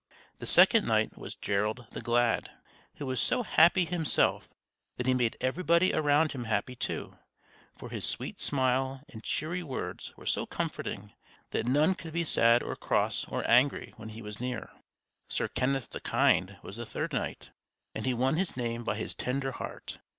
The second knight was Gerald the Glad, who was so happy himself that he made everybody around him happy too; for his sweet smile and cheery words were so comforting that none could be sad or cross or angry when he was near. Sir Kenneth the Kind was the third knight, and he won his name by his tender heart.